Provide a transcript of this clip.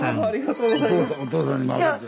ありがとうございます。